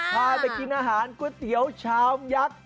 พาไปกินอาหารก๋วยเตี๋ยวชามยักษ์